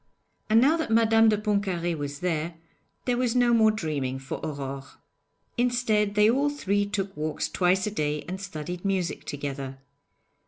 And now that Madame de Pontcarré was there, there was no more dreaming for Aurore. Instead, they all three took walks twice a day and studied music together.